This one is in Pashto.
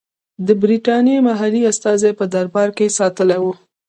د برټانیې محلي استازی په دربار کې ساتلی وو.